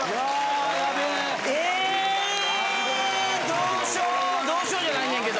どうしよう⁉どうしようじゃないねんけど。